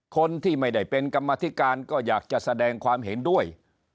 คนที่ไม่ได้เป็นกรรมธิการก็อยากจะแสดงความเห็นด้วย